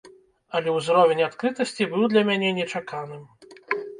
Але ўзровень адкрытасці быў для мяне нечаканым.